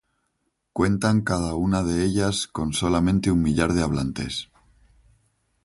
Cuentan cada una de ellas con solamente un millar de hablantes.